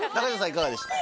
いかがでした？